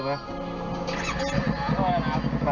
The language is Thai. ไปป่ะ